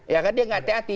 ya kan dia gak hati hati